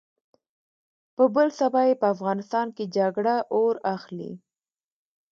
په بل سبا يې په افغانستان کې جګړه اور اخلي.